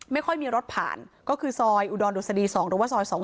ไม่ค่อยมีรถผ่านก็คือซอยอุดรดุษฎี๒หรือว่าซอย๒๐